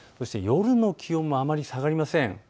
夜の気温もあまり下がりません。